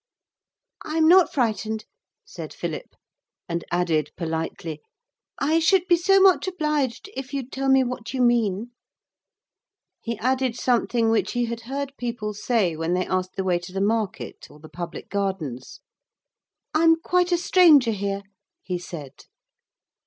'I'm not frightened,' said Philip, and added politely, 'I should be so much obliged if you'd tell me what you mean.' He added something which he had heard people say when they asked the way to the market or the public gardens, 'I'm quite a stranger here,' he said.